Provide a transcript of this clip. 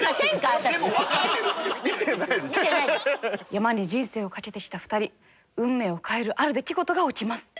山に人生をかけてきた２人運命を変えるある出来事が起きます。